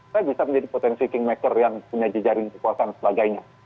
saya bisa menjadi potensi kingmaker yang punya jejaring kekuasaan dan sebagainya